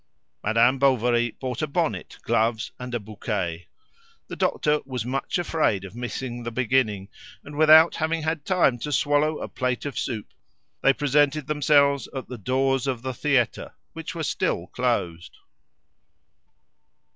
Madame Bovary bought a bonnet, gloves, and a bouquet. The doctor was much afraid of missing the beginning, and, without having had time to swallow a plate of soup, they presented themselves at the doors of the theatre, which were still closed.